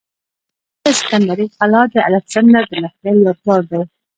د زابل د سکندرۍ قلا د الکسندر د لښکر یادګار دی